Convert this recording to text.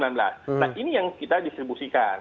nah ini yang kita distribusikan